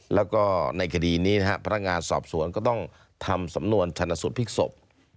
แล้วก็ในคดีนี้นะครับพนักงานสอบสวนก็ต้องทำสำนวนชนสูตรพลิกศพ